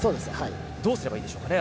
どうすればいいでしょうかね